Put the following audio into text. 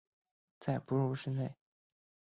在哺乳室内